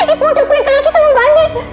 ibu udah percaya lagi sama mbak ande